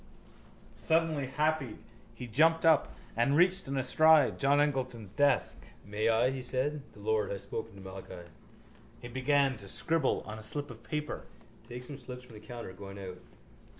_ Suddenly happied he jumped up and reached in a stride John Eglinton's desk. —May I? he said. The Lord has spoken to Malachi. He began to scribble on a slip of paper. Take some slips from the counter going out.